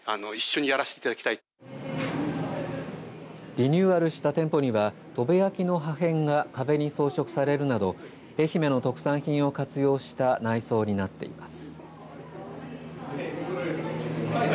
リニューアルした店舗には砥部焼の破片が壁に装飾されるなど愛媛の特産品を活用した内装になっています。